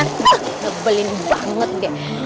huh nyebelin banget deh